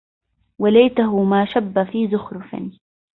وليته ما شبَّ في زُخرِفٍ